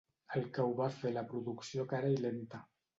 El que ho va fer la producció cara i lenta.